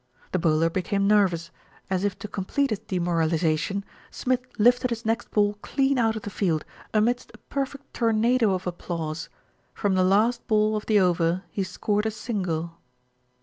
The bowler became nervous. As if to complete his demoralisation, Smith lifted his next ball clean out of the field, amidst a perfect tornado of applause. From the last ball of the over he scored a single.